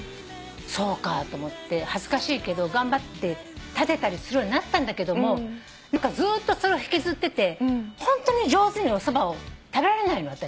そうかぁと思って恥ずかしいけど頑張って立てたりするようになったんだけどもずーっとそれを引きずってて上手におそばを食べられない私。